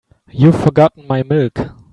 You've forgotten my milk.